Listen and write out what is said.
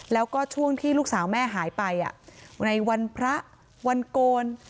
แล้วก็ช่วงที่ลูกสาวแม่หายไปในวันพระวันโกน